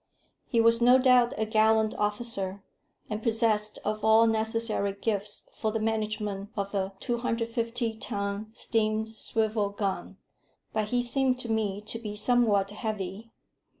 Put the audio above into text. He was no doubt a gallant officer, and possessed of all necessary gifts for the management of a 250 ton steam swivel gun; but he seemed to me to be somewhat heavy.